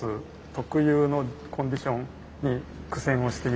特有のコンディションに苦戦をしている状況です。